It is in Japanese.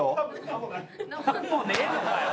何もねえのかよ。